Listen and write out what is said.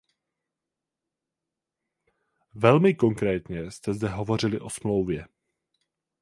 Velmi konkrétně jste zde hovořili o Smlouvě.